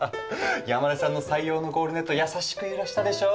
山根さんの採用のゴールネット優しく揺らしたでしょう？